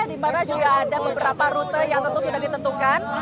di mana juga ada beberapa rute yang tentu sudah ditentukan